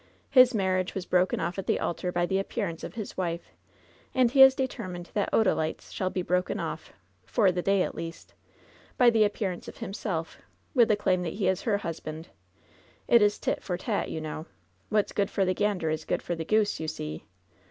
His marriage was broken off at the altar by the appearance of his wife, and he is determined that Odalite's shall be broken off, for the day at least, by the appearance of himself, with the claim that he is her husband. It is 'tit for tat,' you know. 'What's good for the gander is good for the goose,' you see.